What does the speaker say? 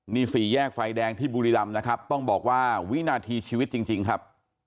นี่สี่แยกไฟแดงที่บุรีรำนะครับต้องบอกว่าวินาทีชีวิตจริงครับ